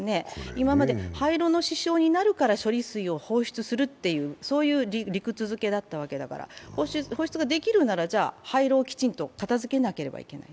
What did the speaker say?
今まで廃炉の支障になるから処理水を放出するという、そういう理屈付けだったわけだから、放出ができるなら、じゃあ廃炉をきちんと片づけなければいけない。